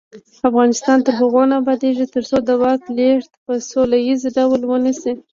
افغانستان تر هغو نه ابادیږي، ترڅو د واک لیږد په سوله ییز ډول ونشي.